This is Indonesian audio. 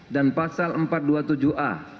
dan pasal empat ratus dua puluh tujuh a